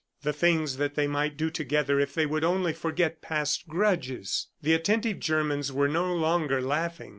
The things that they might do together if they would only forget past grudges!" The attentive Germans were no longer laughing.